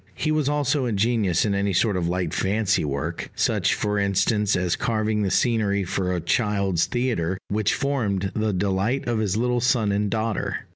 He was also ingenious in any sort of light fancy work such, for instance, as carving the scenery for a child's theatre which formed the delight of his little son and daughter.